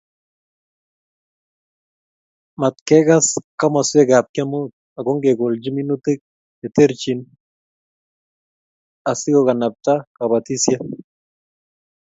Matkekas komoswekab kemeut ako ngekolchi minutik che terchin asikokanabta kobotisiet